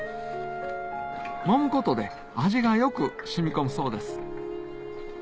もむことで味がよく染み込むそうです